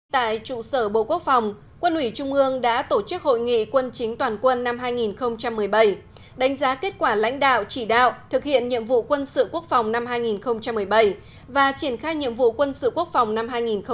tại trụ sở bộ quốc phòng quân ủy trung ương đã tổ chức hội nghị quân chính toàn quân năm hai nghìn một mươi bảy đánh giá kết quả lãnh đạo chỉ đạo thực hiện nhiệm vụ quân sự quốc phòng năm hai nghìn một mươi bảy và triển khai nhiệm vụ quân sự quốc phòng năm hai nghìn một mươi chín